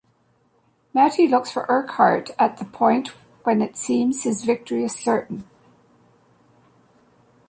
Mattie looks for Urquhart at the point when it seems his victory is certain.